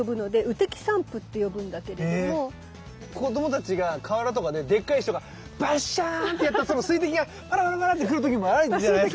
でこういうの子どもたちが河原とかででっかい石とかバッシャーンってやったその水滴がパラパラパラッて来る時もあるんじゃないですか。